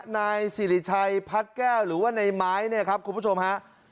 นายสิริชัยพัดแก้วหรือว่าในไม้เนี่ยครับคุณผู้ชมฮะ